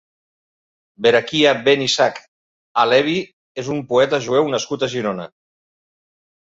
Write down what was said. Berakhia ben Isaac ha-Leví és un poeta jueu nascut a Girona.